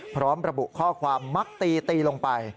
พร้อมระบุข้อความมักตีตีลงไป